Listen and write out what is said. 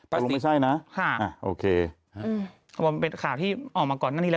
ภาษีค่ะโอเคมันเป็นข่าวที่ออกมาก่อนหน้านี้แล้ว